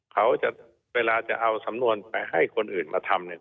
เขาจะเวลาจะเอาสำนวนไปให้คนอื่นมาทำเนี่ย